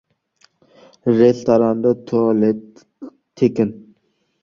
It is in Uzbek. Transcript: Restoranda tualet tekin.